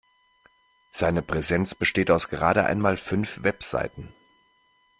Seine Präsenz besteht aus gerade einmal fünf Webseiten.